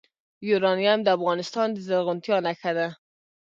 یورانیم د افغانستان د زرغونتیا نښه ده.